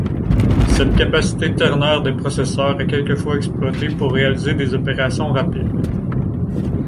Cette capacité ternaire des processeurs est quelquefois exploitée pour réaliser des opérations rapides.